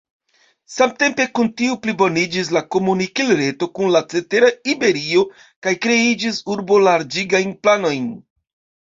Samtempe kun tio pliboniĝis la komunikil-reto kun la cetera Iberio kaj kreiĝis urbo-larĝigajn planojn.